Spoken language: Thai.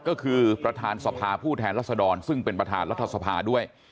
ก็คือประธานสภาผู้แทนรัศดรซึ่งเป็นประธานรัฐสภาด้วย